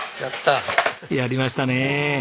やりましたね。